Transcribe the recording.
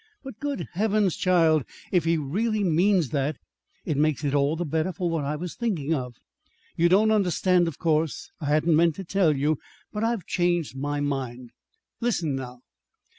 But good heavens, child, if he really means that, it makes it all the better for what I was thinking of. You don't understand, of course. I hadn't meant to tell you, but I've changed my mind. "Listen now.